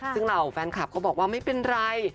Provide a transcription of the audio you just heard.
ซึ่งเหล่าแฟนคลับก็บอกว่าไม่เป็นไร